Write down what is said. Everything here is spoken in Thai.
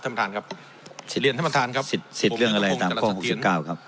ท่านประธานครับสิทธิเรียนท่านประธานครับสิทธิสิทธิ์เรื่องอะไรตามข้อหกสิบเก้าครับ